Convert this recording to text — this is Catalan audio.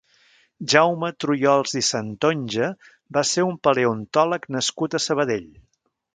Jaume Truyols i Santonja va ser un paleontòleg nascut a Sabadell.